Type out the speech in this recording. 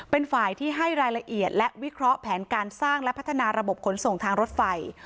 เป็นฝ่ายที่ให้รายละเอียดและวิเคราะห์แผนการสร้างและพัฒนาระบบขนส่งทางรถไฟ